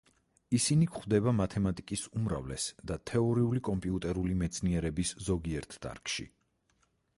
ისინი გვხვდება მათემატიკის უმრავლეს და თეორიული კომპიუტერული მეცნიერების ზოგიერთ დარგში.